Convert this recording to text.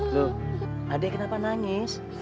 lu adek kenapa nangis